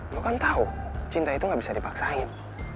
lo kan tau cinta itu gak bisa dipaksain